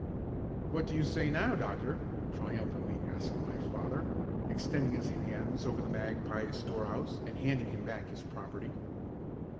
"What do you say now, doctor?" triumphantly asked my father, extending his hands over the magpie's storehouse and handing him back his property.